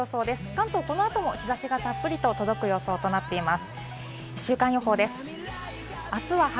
関東、この後も日差しがたっぷりと届く予想となってます。